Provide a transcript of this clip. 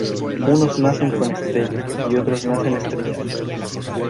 Unos nacen con estrella y otros nacen estrellados.